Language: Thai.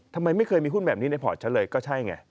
ทำไมไม่เคยมีหุ้นแบบนี้ในพอร์ตฉันเลยก็ใช่ไง